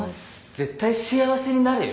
絶対幸せになれよ。